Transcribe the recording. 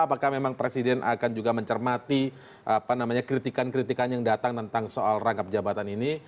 apakah memang presiden akan juga mencermati kritikan kritikan yang datang tentang soal rangkap jabatan ini